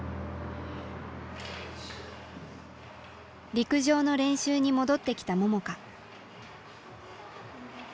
陸上の練習に戻ってきた桃佳。